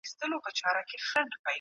دوی فکر کاوه چي واک يې له خدایه دی.